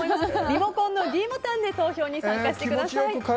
リモコンのｄボタンで投票に参加してください。